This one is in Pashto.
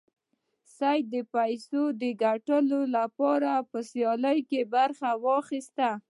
سید د پیسو ګټلو لپاره په سیالیو کې برخه واخیسته.